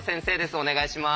お願いします。